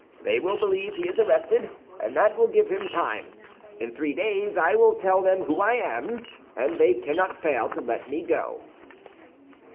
They will believe he is arrested, and that will give him time; in three days I will tell them who I am, and they cannot fail to let me go.